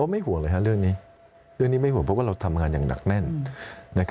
ไม่ห่วงเลยครับเรื่องนี้เรื่องนี้ไม่ห่วงเพราะว่าเราทำงานอย่างหนักแน่น